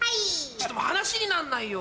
ちょっと話になんないよ。